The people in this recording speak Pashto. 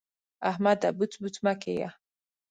احمده! بوڅ بوڅ مه کېږه.